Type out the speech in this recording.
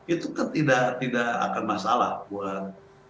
itu kan tidak akan masalah buat